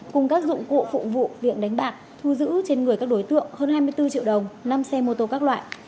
cùng các dụng cụ phục vụ việc đánh bạc thu giữ trên người các đối tượng hơn hai mươi bốn triệu đồng năm xe mô tô các loại